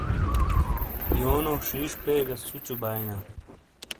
یونو شیش پے گہ سُوچُو باٸینا ۔